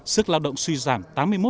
sức lao động suy giảm tám mươi một